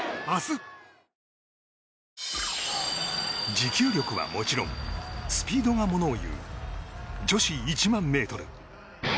持久力はもちろんスピードがものをいう女子１００００ｍ。